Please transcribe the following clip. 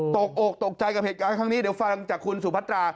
อกตกใจกับเหตุการณ์ครั้งนี้เดี๋ยวฟังจากคุณสุพัตรา